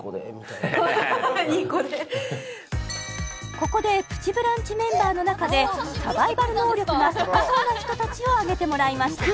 ここでプチブランチメンバーの中でサバイバル能力が高そうな人達をあげてもらいましたああ